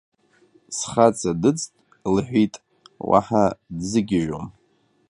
Схаҵа дыӡт, лҳәит, уаҳа дзыгьежьом.